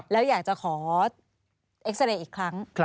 แล้วอยากจะขอเอ็กซาเรย์อีกครั้ง